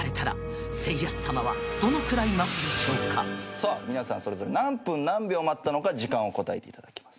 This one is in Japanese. さあ皆さんそれぞれ何分何秒待ったのか時間を答えていただきます。